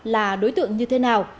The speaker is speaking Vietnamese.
của đối tượng như thế nào